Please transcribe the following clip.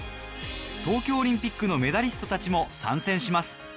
東京オリンピックのメダリストたちも参戦します